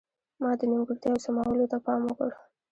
ما د نیمګړتیاوو سمولو ته پام وکړ.